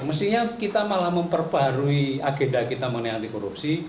mestinya kita malah memperbarui agenda kita mengenai antikorupsi